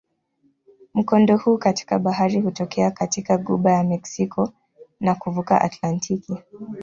Mkondo huu katika bahari hutokea katika ghuba ya Meksiko na kuvuka Atlantiki.